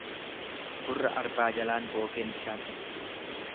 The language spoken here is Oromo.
Gurra arbaa jalaan bookeen bishaan dhugdi.